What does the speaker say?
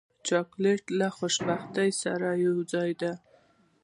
چاکلېټ له خوشبختۍ سره یوځای دی.